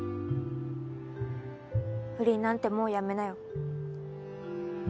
不倫なんてもうやめなよ。